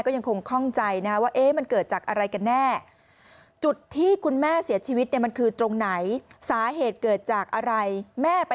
ก็ยังคงคล่องใจนะว่ามันเกิดจากอะไรกันแน่